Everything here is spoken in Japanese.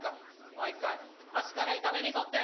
もう一回端から板目に沿って。